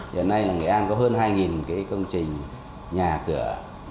hiện nay nghệ an có hơn hai công trình nhà cửa